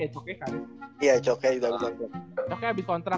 iya coknya udah abis kontrak